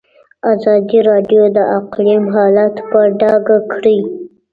ازادي راډیو د اقلیم حالت په ډاګه کړی.